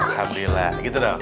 alhamdulillah gitu dong